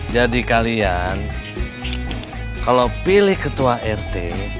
jadi kalian kalau pilih ketua rt